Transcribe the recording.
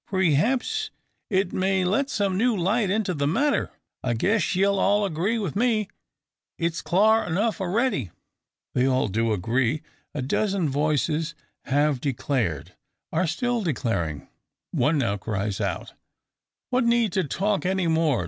Preehaps it may let some new light into the matter; though I guess you'll all agree wi' me, it's clar enough a'ready." They all do agree. A dozen voices have declared, are still declaring that. One now cries out "What need to talk any more?